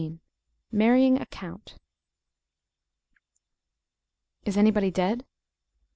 MARRYING A COUNT. "IS any body dead?"